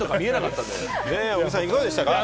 小木さん、いかがでしたか？